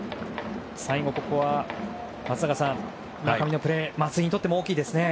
最後、ここは松坂さん村上のプレー松井にとっても大きいですね。